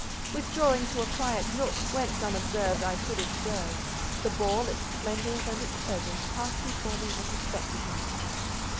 Withdrawing to a quiet nook, whence unobserved I could observe—the ball, its splendours and its pleasures, passed before me as a spectacle.